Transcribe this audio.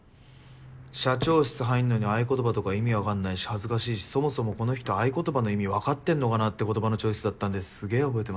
社長室入んのに合言葉とか意味わかんないし恥ずかしいしそもそもこの人合言葉の意味わかってんのかなって言葉のチョイスだったんですげぇ覚えてます。